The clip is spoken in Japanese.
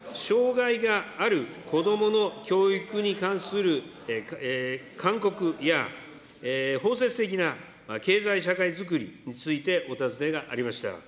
そして障害がある子どもの教育に関する勧告や包摂的な経済社会づくりについてお尋ねがありました。